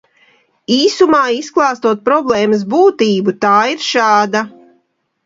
Īsumā izklāstot problēmas būtību, tā ir šāda.